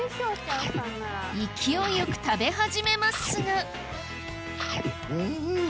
勢いよく食べ始めますがうん。